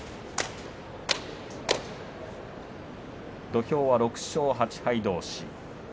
土俵は６勝８敗どうし。